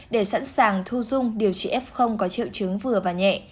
để sẵn sàng thu dung điều trị f có triệu chứng vừa và nhẹ